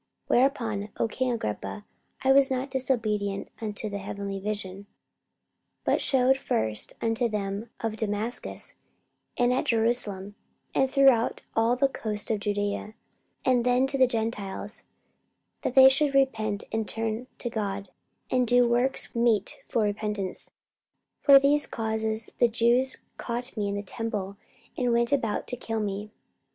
44:026:019 Whereupon, O king Agrippa, I was not disobedient unto the heavenly vision: 44:026:020 But shewed first unto them of Damascus, and at Jerusalem, and throughout all the coasts of Judaea, and then to the Gentiles, that they should repent and turn to God, and do works meet for repentance. 44:026:021 For these causes the Jews caught me in the temple, and went about to kill me.